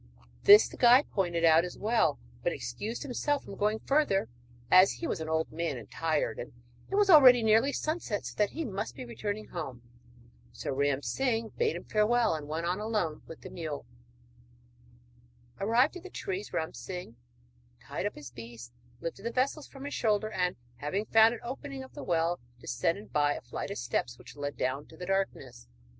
This the guide pointed out as the well, but excused himself from going further as he was an old man and tired, and it was already nearly sunset, so that he must be returning home. So Ram Singh bade him farewell, and went on alone with the mule. [Illustration: 'WHAT THINK YOU, O MORTAL, OF MY FAIR AND LOVELY WIFE?'] Arrived at the trees, Ram Singh tied up his beast, lifted the vessels from his shoulder, and having found the opening of the well, descended by a flight of steps which led down into the darkness.